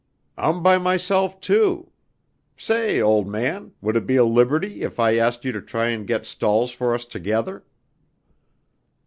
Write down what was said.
"I'm by myself, too. Say, old man, would it be a liberty if I asked you to try and get stalls for us together?"